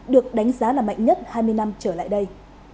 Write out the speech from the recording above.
được đánh giá là mạnh nhất hai mươi năm trở lại đây